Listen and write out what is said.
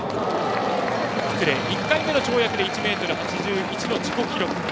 １回目の跳躍で１ｍ８１の自己記録。